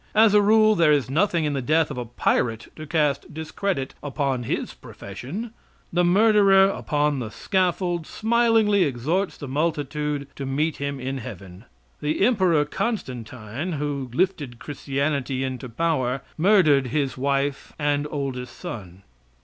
As a rule, there is nothing in the death of a pirate to cast discredit upon his profession. The murderer upon the scaffold smilingly exhorts the multitude to meet him in heaven. The Emperor Constantine, who lifted Christianity into power, murdered his wife and oldest son.